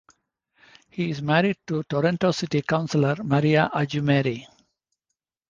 He is married to Toronto city councillor Maria Augimeri.